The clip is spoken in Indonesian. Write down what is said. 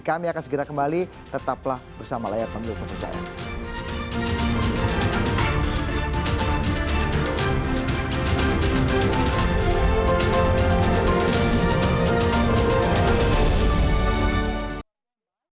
kami akan segera kembali tetaplah bersama layar pemilu terpercaya